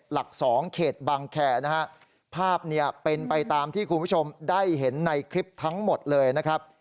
หลักสองเขตบางแคร์นะฮะภาพเนี่ยเป็นไปตามที่คุณผู้ชมได้เห็นในคลิปทั้งหมดเลยนะครับ